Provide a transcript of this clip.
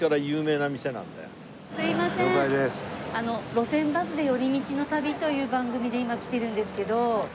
『路線バスで寄り道の旅』という番組で今来てるんですけど。